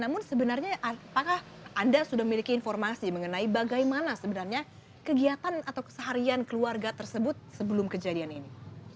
namun sebenarnya apakah anda sudah memiliki informasi mengenai bagaimana sebenarnya kegiatan atau keseharian keluarga tersebut sebelum kejadian ini